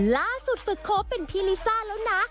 ล่าสุดฝึกโค้เป็นพี่ลิซ่าแล้วนะ